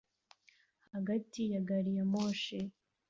hagati ya gariyamoshi